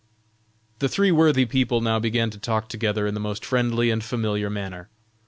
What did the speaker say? The three worthy people now began to talk together in the most friendly and familiar manner.